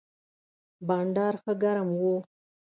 بانډار ښه ګرم و.